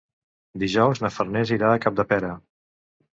Dijous na Farners irà a Capdepera.